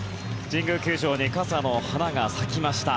神宮球場に傘の花が咲きました。